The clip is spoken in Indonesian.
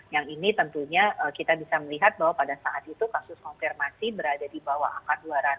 yang ini tentunya kita bisa melihat bahwa pada saat itu kasus konfirmasi berada di bawah angka dua ratus